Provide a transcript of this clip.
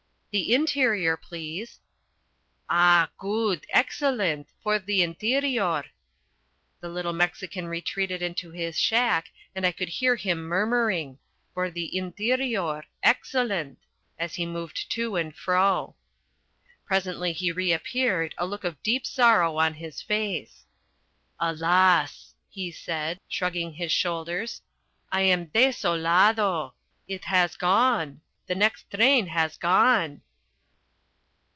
"The interior, please." "Ah, good, excellent for the interior." The little Mexican retreated into his shack and I could hear him murmuring, "For the interior, excellent," as he moved to and fro. Presently he reappeared, a look of deep sorrow on his face. "Alas," he said, shrugging his shoulders, "I am desolado! It has gone! The next train has gone!"